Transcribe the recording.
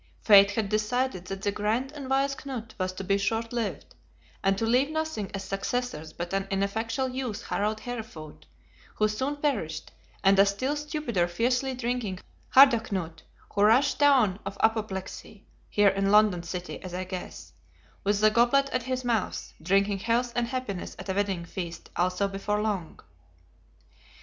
Fate had decided that the grand and wise Knut was to be short lived; and to leave nothing as successors but an ineffectual young Harald Harefoot, who soon perished, and a still stupider fiercely drinking Harda Knut, who rushed down of apoplexy (here in London City, as I guess), with the goblet at his mouth, drinking health and happiness at a wedding feast, also before long.